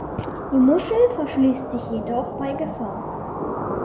Die Muschel verschließt sich jedoch bei Gefahr.